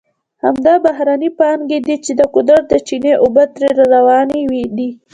همدا بهرنۍ پانګې دي چې د قدرت د چینې اوبه ترې را روانې دي.